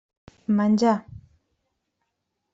Menjar.